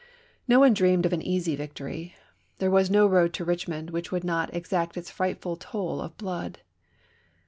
No one dreamed of an easy victory. There was no road to Richmond which would not exact its frightful toll of blood.